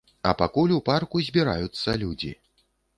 А пакуль у парку збіраюцца людзі.